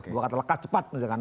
dua kata lekas cepat